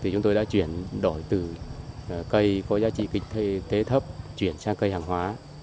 chúng tôi đã chuyển đổi từ cây có giá trị kinh tế thấp chuyển sang cây hàng hóa